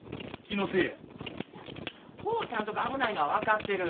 浩ちゃんとこ危ないのは分かってる。